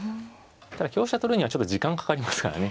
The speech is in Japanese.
ただ香車取るにはちょっと時間かかりますからね。